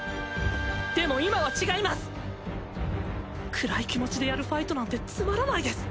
でも今は違います暗い気持ちでやるファイトなんてつまらないです！